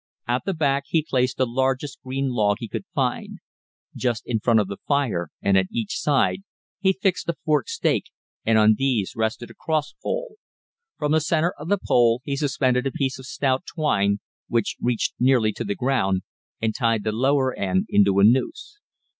At the back he placed the largest green log he could find. Just in front of the fire, and at each side, he fixed a forked stake, and on these rested a cross pole. From the centre of the pole he suspended a piece of stout twine, which reached nearly to the ground, and tied the lower end into a noose.